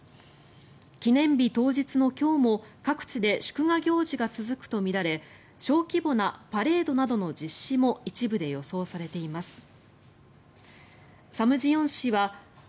記念日当日の今日も各地で祝賀行事が続くとみられ小規模なパレードなどの実施も一部で予想されています。